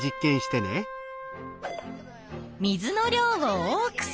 「水の量を多くする」